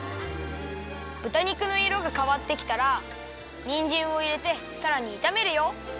ぶた肉のいろがかわってきたらにんじんをいれてさらにいためるよ。